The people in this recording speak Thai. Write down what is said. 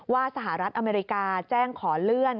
สหรัฐอเมริกาแจ้งขอเลื่อน